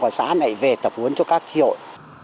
chủ tịch khuyến học các xã này về tập huấn cho các tri hội